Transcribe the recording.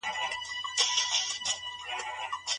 د والدينو تعاملات د اولادونو پر ژوند څه اغېز کوي؟